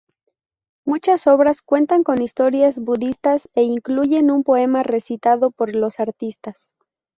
Muchas obras cuentan con historias budistas e incluyen un poema recitado por los artistas.